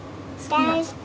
大好き。